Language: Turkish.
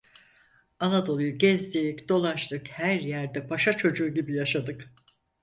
Anadolu'yu gezdik, dolaştık, her yerde paşa çocuğu gibi yaşadık.